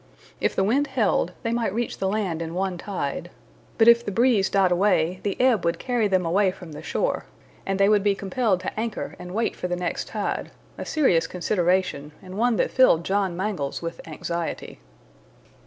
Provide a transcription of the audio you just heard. If the wind held, they might reach the land in one tide. But if the breeze died away, the ebb would carry them away from the shore, and they would be compelled to anchor and wait for the next tide, a serious consideration, and one that filled John Mangles with anxiety.